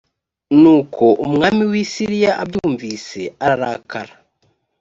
nuko umwami w’i siriya abyumvise ararakara